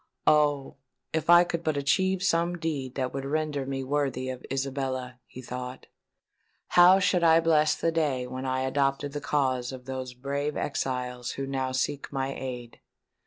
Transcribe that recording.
"Oh! if I could but achieve some deed that would render me worthy of Isabella," he thought, "how should I bless the day when I adopted the cause of those brave exiles who now seek my aid!